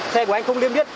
xe của anh không liên viết